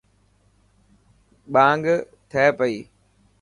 ٻانگ ٿي پئي.